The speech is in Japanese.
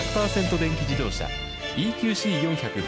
電気自動車ＥＱＣ４００４